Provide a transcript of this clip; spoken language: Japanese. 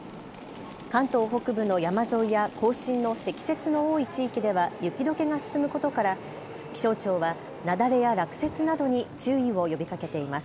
関東北部の山沿いや甲信の積雪の多い地域では雪どけが進むことから気象庁は雪崩や落雪などに注意を呼びかけています。